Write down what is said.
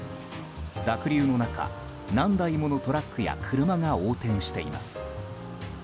濁流の中、何台ものトラックや車が横転しています。